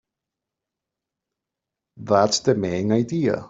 That's the main idea.